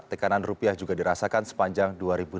tekanan rupiah juga dirasakan sepanjang dua ribu delapan belas